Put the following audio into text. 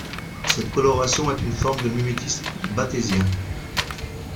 Cette coloration est une forme de mimétisme batésien.